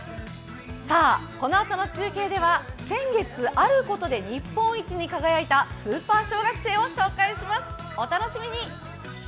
このあとの中継では先月あることで日本一に輝いたスーパー小学生を紹介します、お楽しみに。